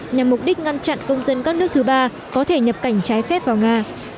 nhằm mục đích ngăn chặn công dân các nước thứ ba có thể nhập cảnh trái phép vào nga